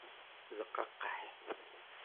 D qaqqaḥ!